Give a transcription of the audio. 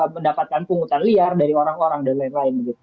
mendapatkan pungutan liar dari orang orang dan lain lain